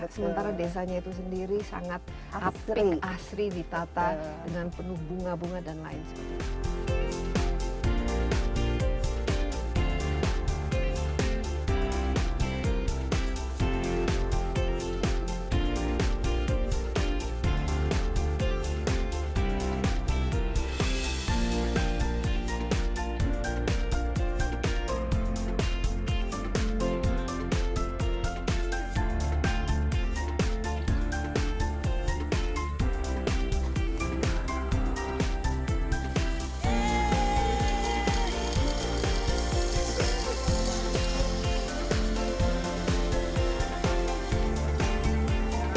sementara desanya itu sendiri sangat asri ditata dengan penuh bunga bunga dan lain sebagainya